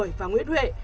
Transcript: trúc khởi và nguyễn huệ